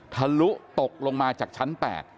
ทะลุตกลงมาจากชั้น๘